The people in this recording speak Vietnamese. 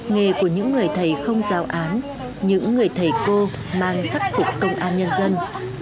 nghề của những người thầy không giáo án những người thầy cô mang sắc phục công an nhân dân